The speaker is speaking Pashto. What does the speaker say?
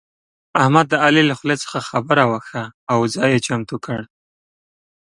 احمد د علي له خولې څخه خبره وکښه او ځای يې چمتو کړ.